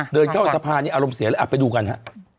เดินเข้ากระพานอารมณ์เสียเลยอ่ะไปดูกันฮะ